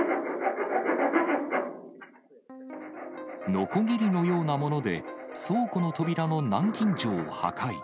のこぎりのようなもので、倉庫の扉の南京錠を破壊。